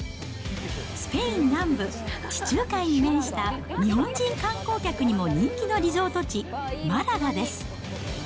スペイン南部、地中海に面した日本人観光客にも人気のリゾート地、マラガです。